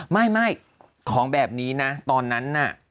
ไม่ของแบบนี้นะตอนนั้นน่ะ